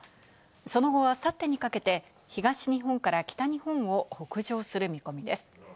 その後はあさってにかけて、東日本から北日本を北上する見込みです。